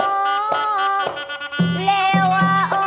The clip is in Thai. ธรรมดา